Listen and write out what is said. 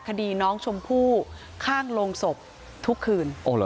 คดีน้องชมพู่ข้างโรงศพทุกคืน